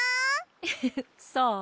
フフフそう？